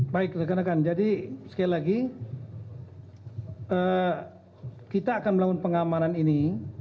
baik jadi sekali lagi kita akan melakukan pengamanan ini